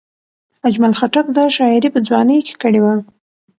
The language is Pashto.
اجمل خټک دا شاعري په ځوانۍ کې کړې وه.